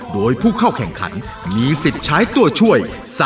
โดยผู้เข้าแข่งขันมีสิทธิ์ใช้ตัวช่วย